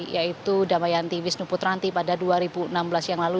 yaitu damayanti wisnu putranti pada dua ribu enam belas yang lalu